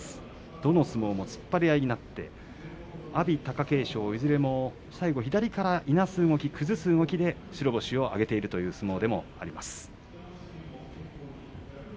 どの相撲も突っ張り合いになって阿炎、貴景勝、いずれも最後左からいなす動き、崩す動きで白星を挙げるという取組でもあります。